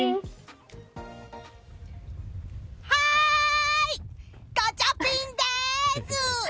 はーい！ガチャピンです！